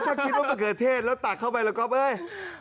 ถ้าคิดว่ามะเขือเทศแล้วตักเข้าไปละก๊อฟเอ้ย